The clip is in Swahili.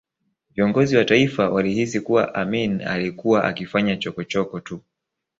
Viongozi wa Tanzania walihisi kuwa Amin alikuwa akifanya chokochoko tu